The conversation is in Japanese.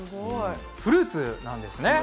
フルーツなんですね。